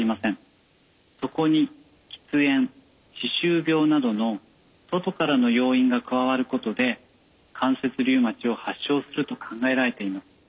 そこに喫煙歯周病などの外からの要因が加わることで関節リウマチを発症すると考えられています。